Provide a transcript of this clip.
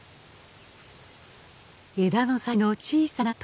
枝の先の小さな鳥。